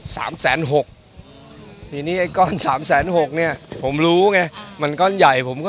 สามแสนหกทีนี้ไอ้ก้อนสามแสนหกเนี้ยผมรู้ไงมันก้อนใหญ่ผมก็